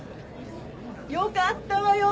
・よかったわよ！